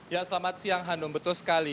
ya selamat siang hanum betul sekali